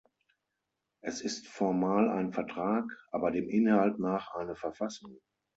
Es ist formal ein Vertrag, aber dem Inhalt nach eine Verfassung.